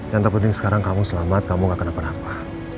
yang terpenting sekarang kamu selamat kamu gak kena penapa